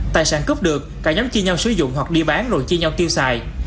tài sản cướp được cả nhóm chia nhau sử dụng hoặc đi bán rồi chia nhau tiêu xài